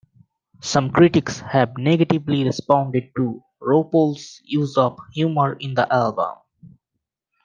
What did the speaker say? Some critics have negatively responded to RuPaul's use of humor in the album.